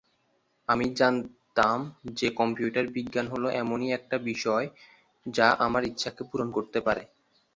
আমি জানতাম যে কম্পিউটার বিজ্ঞান হল এমনই একটা বিষয় যা আমার ইচ্ছাকে পূরণ করতে পারে।